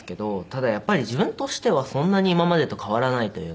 ただやっぱり自分としてはそんなに今までと変わらないというか。